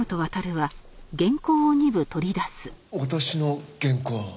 私の原稿？